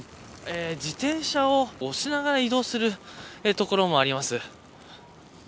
自転車を押しながら移動している所もあります。